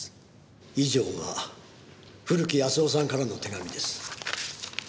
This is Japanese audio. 以上が古木保男さんからの手紙です。